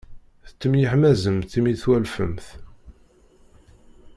Tettemyeḥmaẓemt imi twalfemt.